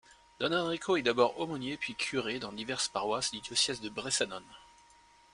Don Enrico est d'abord aumônier puis curé dans diverses paroisses du diocèse de Bressanone.